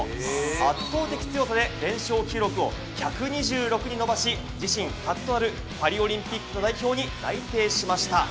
圧倒的強さで連勝記録を１２６に伸ばし、自身初となる、パリオリンピックの代表に内定しました。